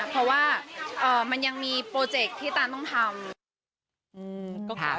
เพราะว่ามันยังมีโปรเจคที่ตานต้องทำ